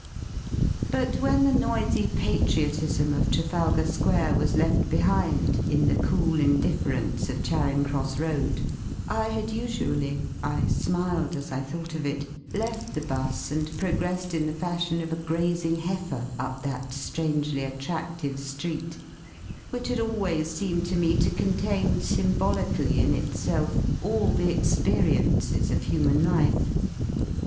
But when the noisy patriotism of Trafalgar Square was left behind in the cool indifference of Charing Cross Road, I had usually, I smiled as I thought of it, left the 'bus and progressed in the fashion of a grazing heifer up that i^rangely attradive ^reet, which had always seemed to me to contain symbolically in itself all the experiences of human life.